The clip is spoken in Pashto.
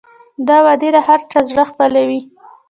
دا وعدې د هر چا زړه خپلوي.